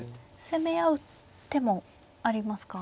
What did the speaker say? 攻め合う手もありますか。